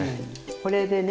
これでね